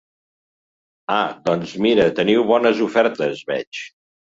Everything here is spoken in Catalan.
Ah doncs mira teniu bones ofertes veig.